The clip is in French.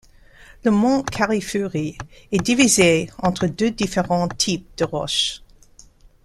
Le mont Karifuri est divisé entre deux différents types de roches.